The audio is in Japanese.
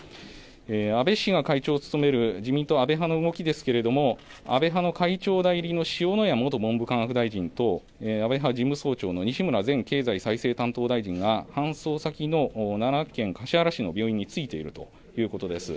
安倍氏が会長を務める自民党安倍派の動きですけれども安倍派の会長代理の塩谷元文部科学大臣と安倍派事務総長の西村前経済再生担当大臣が搬送先の奈良県橿原市の病院に着いているということです。